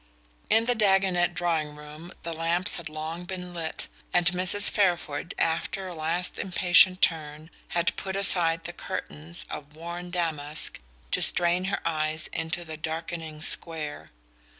XV In the Dagonet drawing room the lamps had long been lit, and Mrs. Fairford, after a last impatient turn, had put aside the curtains of worn damask to strain her eyes into the darkening square.